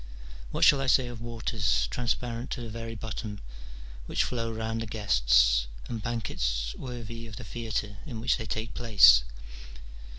What shall I say of waters, transparent to the very bottom, which flow round the guests, and banquets worthy of the theatre in which they take place